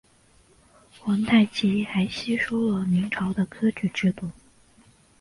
皇太极还吸收了明朝的科举制度。